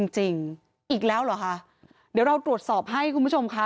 จริงอีกแล้วเหรอคะเดี๋ยวเราตรวจสอบให้คุณผู้ชมค่ะ